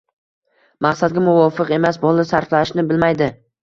Maqsadga muvofiq emas – bola sarflashni bilmaydi